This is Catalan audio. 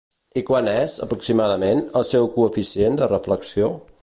I quant és, aproximadament, el seu coeficient de reflexió?